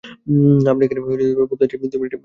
আর এখানে, গুপ্তা জী, দুই মিনিটেই হয়ে যায়।